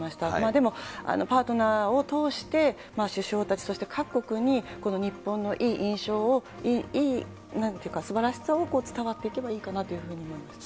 でも、パートナーを通して、首相たち、そして各国に、この日本のいい印象を、いい、なんていうか、すばらしさを伝わっていけばいいかなというふうに思いましたね。